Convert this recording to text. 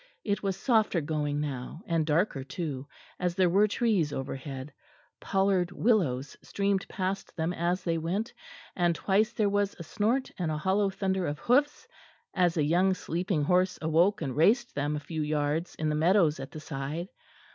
It was softer going now and darker too, as there were trees overhead; pollared willows streamed past them as they went; and twice there was a snort and a hollow thunder of hoofs as a young sleeping horse awoke and raced them a few yards in the meadows at the side.